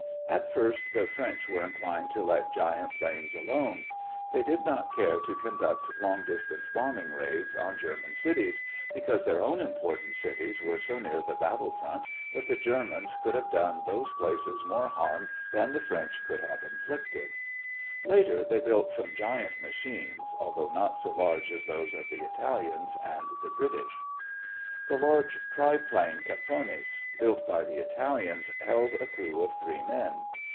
At first the French were inclined to let giant planes alone. They did not care to conduct long distance bombing raids on German cities because their own important cities were so near the battle front that the Germans could have done those places more harm than the French could have inflicted. Later they built some giant machines, although not so large as those of the Italians and the British. The large triplane Capronis built by the Italians held a crew of three men.